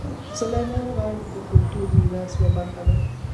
سلیمان غر د کلتوري میراث یوه برخه ده.